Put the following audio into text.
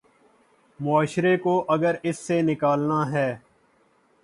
معاشرے کو اگر اس سے نکالنا ہے۔